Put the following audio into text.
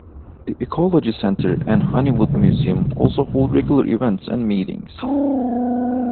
The Ecology Centre and Honeywood Museum also hold regular events and meetings.